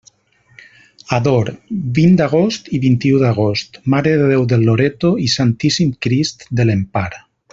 Ador: vint d'agost i vint-i-u d'agost, Mare de Déu del Loreto i Santíssim Crist de l'Empar.